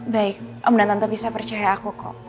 baik om dan tante bisa percaya aku kok